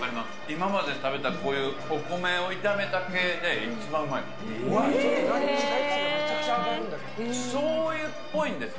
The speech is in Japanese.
今まで食べたこういうお米を炒めた系で一番うまいです。